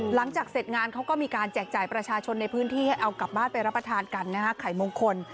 หลังจากเสร็จงานเขาก็มีการแจกจ่ายประชาชนในพื้นที่ให้เอากลับบ้านไปรับประทานกันนะฮะไข่มงคล